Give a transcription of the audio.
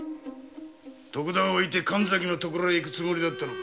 徳田をおいて神崎の所へ行くつもりだったのか！